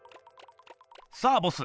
さあボス